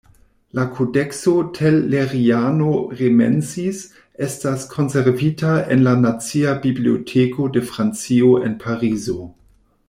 La Kodekso Telleriano-Remensis estas konservita en la Nacia Biblioteko de Francio en Parizo.